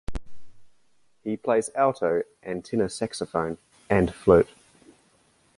He plays alto and tenor saxophone, and flute.